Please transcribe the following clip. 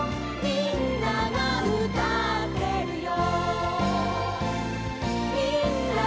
「みんながうたってるよ」